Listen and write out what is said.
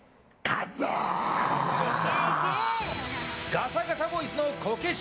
ガサガサボイスのこけし